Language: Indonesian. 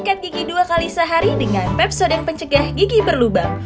sikat gigi dua kali sehari dengan pep sodeng pencegah gigi berlubang